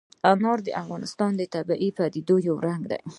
انار د افغانستان د طبیعي پدیدو یو رنګ دی.